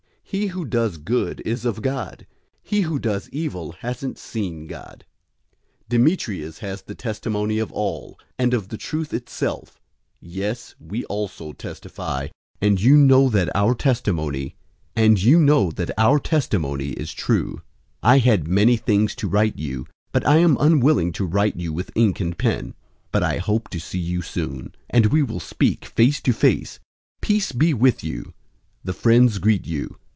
He who does good is of God. He who does evil hasn't seen God. 001:012 Demetrius has the testimony of all, and of the truth itself; yes, we also testify, and you know that our testimony is true. 001:013 I had many things to write to you, but I am unwilling to write to you with ink and pen; 001:014 but I hope to see you soon, and we will speak face to face. Peace be to you. The friends greet you.